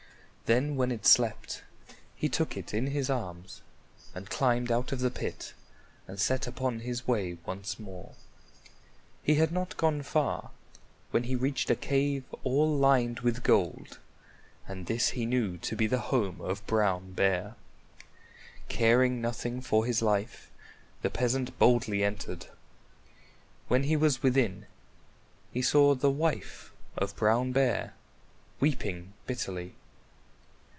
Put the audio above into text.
Then when it slept he took it in his arms and climbed out of the pit and set upon his way once more. He had not gone far when he reached a cave all lined with gold, and this he knew to be the home of Brown Bear. Caring nothing for his life, the peasant boldly entered. When he was within, he saw the wife of Brown Bear weeping bitterly.